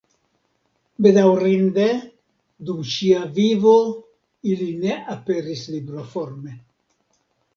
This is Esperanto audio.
Bedaŭrinde dum ŝia vivo ili ne aperis libroforme.